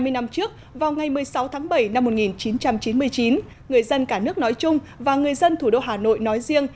hai mươi năm trước vào ngày một mươi sáu tháng bảy năm một nghìn chín trăm chín mươi chín người dân cả nước nói chung và người dân thủ đô hà nội nói riêng